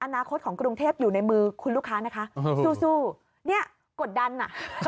อนาคตของกรุงเทพอยู่ในมือคุณลูกค้านะคะสู้เนี่ยกดดันอ่ะ